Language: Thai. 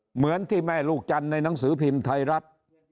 เหมือนที่แม่ลูกจันทร์ในหนังสือพิมพ์ไทยรัฐ